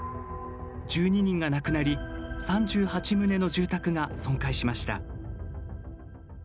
１２人が亡くなり３８棟の住宅が損壊しました。